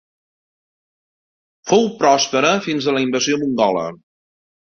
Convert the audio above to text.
Fou pròspera fins a la invasió mongola.